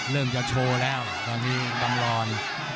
เริ่มจะโชว์แล้วตอนนี้กำรอน